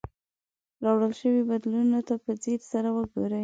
راوړل شوي بدلونونو ته په ځیر سره وګورئ.